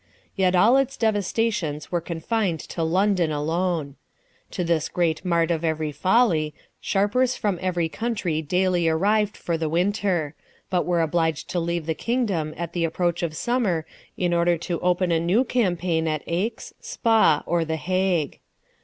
Yet all its devas tations were confined to London alone. To this great mart of every folly, 50 LIFE OF RICHARD NASH. sharpers from every country daily arrived for the winter ; but were obliged to leave the kingdom at the approach of summer, in order to open a new campaign at Aix, Spa, or the Hague.